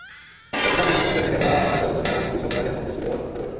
জাতিসংঘ-সমর্থিত Geneva শান্তি আলোচনা আগামী দুই সপ্তাহের মধ্যে শুরু হওয়ার কথা রয়েছে।